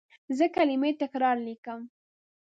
زه کلمې تکرار لیکم.